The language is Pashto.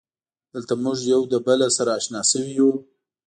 دلته مونږ یو له بله سره اشنا شوي یو.